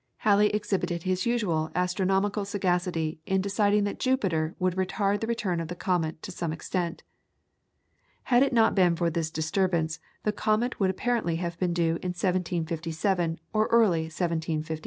Halley exhibited his usual astronomical sagacity in deciding that Jupiter would retard the return of the comet to some extent. Had it not been for this disturbance the comet would apparently have been due in 1757 or early in 1758.